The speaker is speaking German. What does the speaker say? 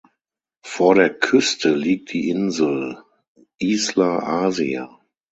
Vor der Küste liegt die Insel "Isla Asia".